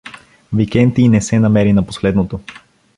Викентий не се намери на последното.